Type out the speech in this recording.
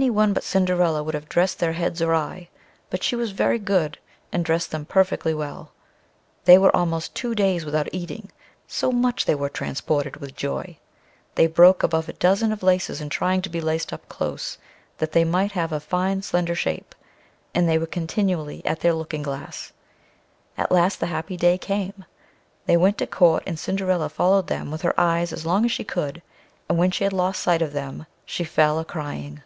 Any one but Cinderilla would have dressed their heads awry, but she was very good, and dressed them perfectly well. They were almost two days without eating, so much they were transported with joy; they broke above a dozen of laces in trying to be laced up close, that they might have a fine slender shape, and they were continually at their looking glass. At last the happy day came; they went to Court, and Cinderilla followed them with her eyes as long as she could, and when she had lost sight of them she fell a crying.